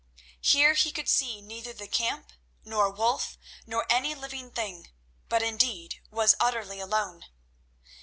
Here he could see neither the camp, nor Wulf, nor any living thing, but indeed was utterly alone.